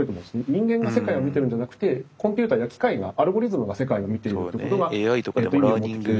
人間が世界を見てるんじゃなくてコンピューターや機械がアルゴリズムが世界を見ているってことが意味を持ってきてるし。